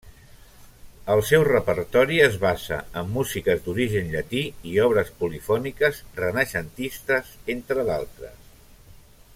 El seu repertori es basa en músiques d'origen llatí i obres polifòniques renaixentistes, entre d'altres.